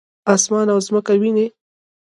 اسمان او مځکه وینې؟